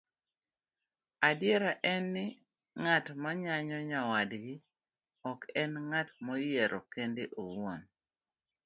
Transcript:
Adiera en ni, ng'at mayanyo nyawadgi ok enng'at moyiero kende owuon,